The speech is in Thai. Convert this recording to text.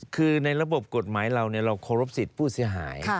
คือในระบบกฎหมายเราเราเคารพสิทธิ์ผู้เสียหาย